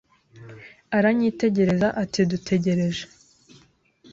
Aranyitegereza ati Dutegereje